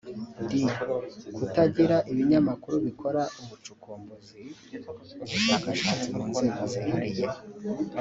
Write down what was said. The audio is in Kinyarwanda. d) Kutagira ibinyamakuru bikora ubucukumbuzi (ubushakashatsi) mu nzego zihariye